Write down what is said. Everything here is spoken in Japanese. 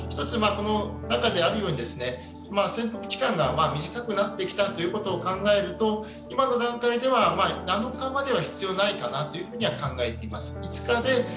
１つこの中であるように、潜伏期間が短くなってきたと考えると今の段階では、７日までは必要ないかなと考えています。